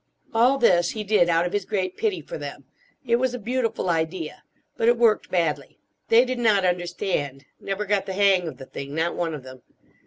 All this he did out of his great pity for them. It was a beautiful idea, but it worked badly. They did not understand—never got the hang of the thing: not one of them.